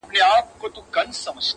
زما د فكر د ائينې شاعره ،